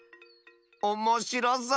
おもしろそう！